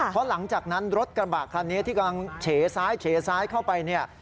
เพราะหลังจากนั้นรถกระบะคันนี้ที่กำลังเฉซ้ายเฉซ้ายเข้าไปเนี่ย